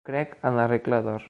Crec en la Regla d'Or.